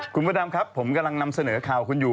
คุณพระดำครับผมกำลังนำเสนอข่าวคุณอยู่